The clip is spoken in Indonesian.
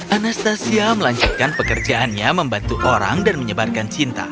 anastasia melanjutkan pekerjaannya membantu orang dan menyebarkan cinta